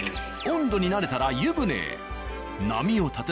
温度に慣れたら湯船へ。